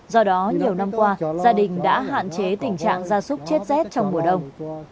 do đó nhiều năm qua gia đình đã hạn chế tình trạng gia súc chết rét trong mùa đông